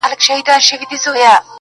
امتحان لره راغلی کوه کن د زمانې یم ,